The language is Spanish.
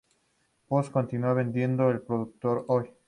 Post continúa vendiendo el producto hoy.